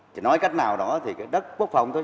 thì nói cách nào đó thì đất quốc phòng thôi